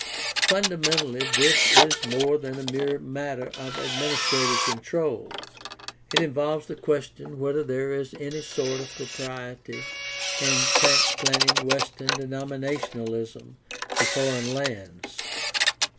Fundamentally this is more than a mere matter of administrative control; it involves the question whether there is any sort of propriety in transplanting Western denominationalism to foreign lands.